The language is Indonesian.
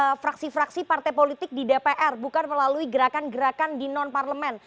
jadi ini adalah hal yang tidak terjadi di partai politik di dpr bukan melalui gerakan gerakan di non parlemen